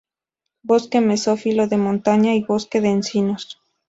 Bosque mesófilo de montaña y bosque de encinos.